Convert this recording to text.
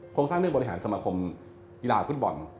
โครงสร้างเรื่องบริหารสมาคมกีฬาฟุตบอล